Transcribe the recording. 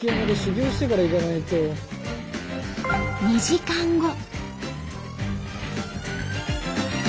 ２時間後。